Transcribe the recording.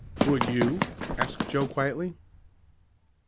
"Would you?" asked Joe quietly.